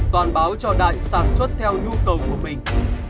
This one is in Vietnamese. toàn báo cho đại sản xuất theo nhu cầu của mình